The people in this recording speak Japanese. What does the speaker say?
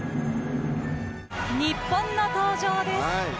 日本の登場です。